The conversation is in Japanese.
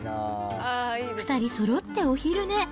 ２人そろってお昼寝。